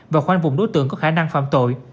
và khoanh vùng đối tượng có khả năng phạm tội